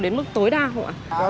đến mức tối đa không ạ